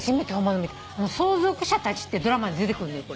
『相続者たち』っていうドラマに出てくるのよ